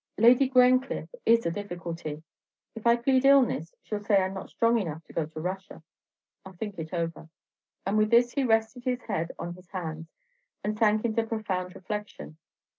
Lady Grencliffe is a difficulty; if I plead illness, she 'll say I 'm not strong enough to go to Russia. I 'll think it over." And with this he rested his head on his hands, and sank into profound reflection.